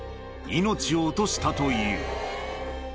命を落としたという。